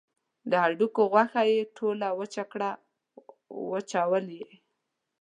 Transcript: د هډوکو غوښه یې ټوله وچه کړه وچول یې.